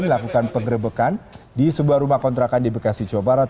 melakukan pengerebekan di sebuah rumah kontrakan di bekasi jawa barat